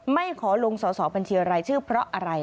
ไม่ขอลงสอสอบัญชีรายชื่อเพราะอะไร